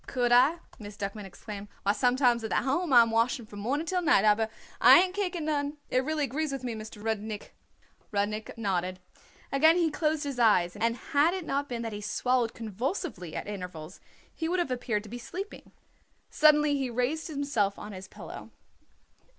"Could I?" Miss Duckman exclaimed. "Why, sometimes at the Home I am washing from morning till night, aber I ain't kicking none. It really agrees with me, Mr. Rudnik." Rudnik nodded. Again he closed his eyes, and had it not been that he swallowed convulsively at intervals he would have appeared to be sleeping. Suddenly he raised himself on his pillow.